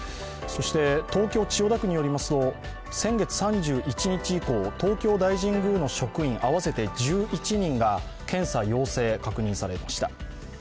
そして、東京・千代田区によりますと、先月３１日以降、東京大神宮の職員合わせて１１人が検査陽性が確認されました。